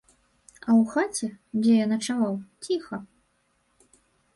І ў хаце, дзе я начаваў, ціха.